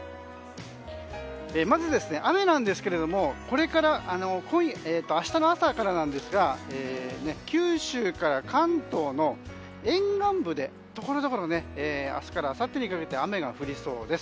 まず雨なんですけども明日の朝から九州から関東の沿岸部でところどころ明日からあさってにかけて雨が降りそうです。